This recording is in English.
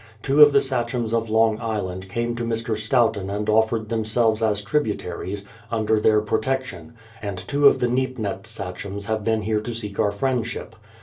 Two of the sachems of Long Island came to Mr. Stoughton and offered them selves as tributaries, under their protection ; and two of the Neep nett sachems have been here to seek our friendship.